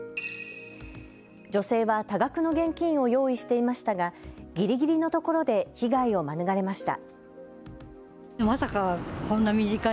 女性は多額の現金を用意していましたがぎりぎりのところで被害を免れました。